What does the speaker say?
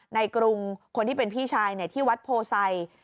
กรุงคนที่เป็นพี่ชายที่วัดโพไซ